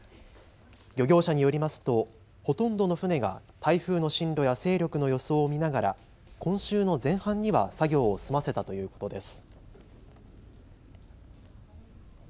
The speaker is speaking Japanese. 漁業者によりますとほとんどの船が台風の進路や勢力の予想を見ながら今週の前半には作業を済ませたということです。